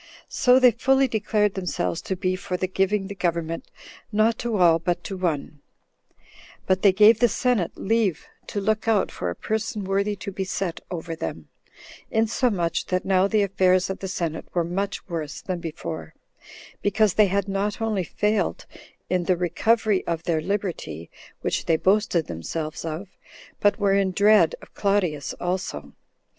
So they fully declared themselves to be for the giving the government not to all, but to one; but they gave the senate leave to look out for a person worthy to be set over them, insomuch that now the affairs of the senate were much worse than before, because they had not only failed in the recovery of their liberty, which they boasted themselves of, but were in dread of Claudius also.